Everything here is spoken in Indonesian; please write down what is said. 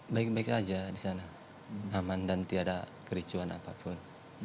baik baik saja di sana aman dan tidak ada kericuan apapun